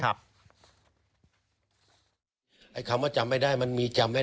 ไม่แน่นอนนะผมบอกไปแล้วตั้งแต่แรก